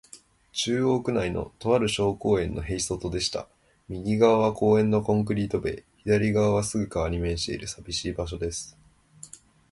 中央区内の、とある小公園の塀外へいそとでした。右がわは公園のコンクリート塀べい、左がわはすぐ川に面している、さびしい場所です。